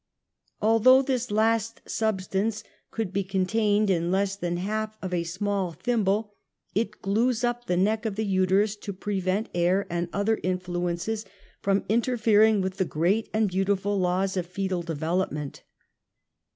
Although this last substance could be contained in less than half of a small thimble, it glues up the neck of the uterus to prevent air and other influences from interfering with the great and beautiful laws of foetal developement.